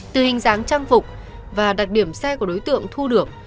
từ hình dáng trang phục và đặc điểm xe của đối tượng thu được